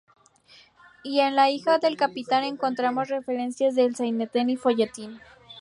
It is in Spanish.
Y en La hija del capitán encontramos referencias del sainete y folletín.